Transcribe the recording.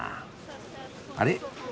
あれ？